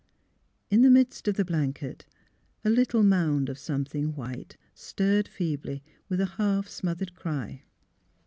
In the midst of the blanket a little mound of something white stirred feebly with a half smoth ered cry.